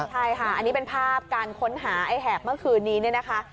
ใช่ค่ะอันนี้เป็นภาพการค้นหาไอ้แหบเมื่อคืนนี้เนี่ยนะคะ